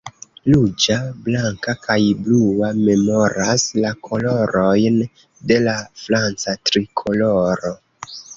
Ruĝa, blanka, kaj blua memoras la kolorojn de la franca Trikoloro.